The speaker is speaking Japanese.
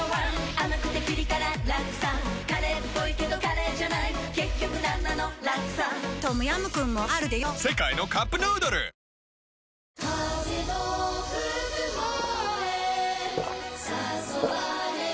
甘くてピリ辛ラクサカレーっぽいけどカレーじゃない結局なんなのラクサトムヤムクンもあるでヨ世界のカップヌードルそれではいこう！